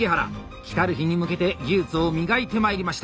来る日に向けて技術を磨いてまいりました。